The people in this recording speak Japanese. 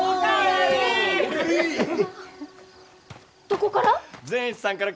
どこから？